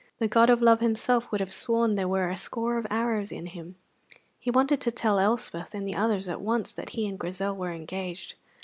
The god of love himself would have sworn that there were a score of arrows in him. He wanted to tell Elspeth and the others at once that he and Grizel were engaged.